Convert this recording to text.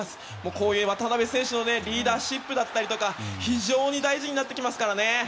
こういう渡邊選手のリーダーシップだったり非常に大事になってきますからね。